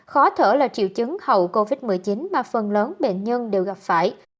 khó thở là triệu chứng hậu covid một mươi chín mà phần lớn bệnh nhân đều gặp phải